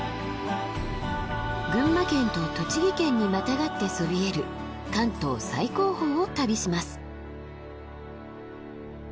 群馬県と栃木県にまたがってそびえる関東最高峰を旅します。